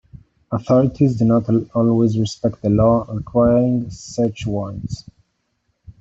Authorities do not always respect the law requiring search warrants.